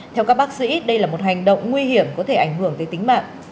theo các bác sĩ đây là một hành động nguy hiểm có thể ảnh hưởng tới tính mạng